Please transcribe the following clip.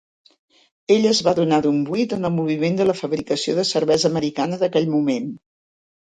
Ell es va adonar d'un buit en el moviment de la fabricació de cervesa americana d'aquell moment.